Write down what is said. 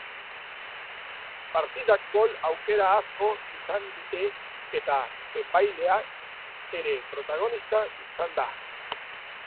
Partidak gol aukera asko izan dite eta epailea ere protagonista izan da.